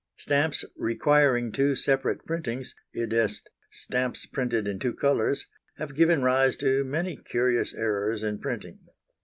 Stamps requiring two separate printings i.e. stamps printed in two colours have given rise to many curious errors in printing.